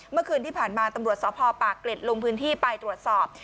เมื่อคืนที่ผ่านมาตำรวจสพปากเกร็ดลงพื้นที่ไปตรวจสอบ